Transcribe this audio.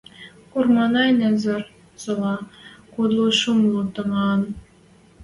Курманай незер сола, кудлу–шӹмлу томаан.